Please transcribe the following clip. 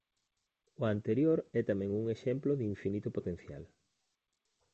O anterior é tamén un exemplo de infinito potencial.